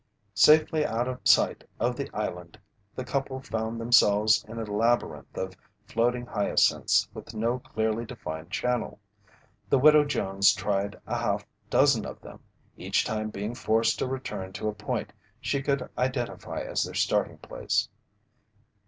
Safely out of sight of the island, the couple found themselves in a labyrinth of floating hyacinths with no clearly defined channel. The Widow Jones tried a half dozen of them, each time being forced to return to a point she could identify as their starting place.